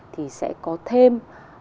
thì sẽ có thêm